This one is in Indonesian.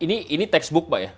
ini textbook ya